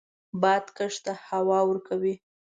باد کښت ته هوا ورکوي